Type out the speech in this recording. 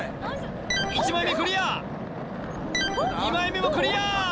１枚目クリア２枚目もクリア！